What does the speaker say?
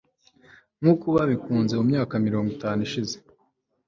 nkuko babikunze mu myaka mirongo itanu ishize